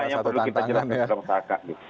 nah itulah yang perlu kita jelaskan kepada masyarakat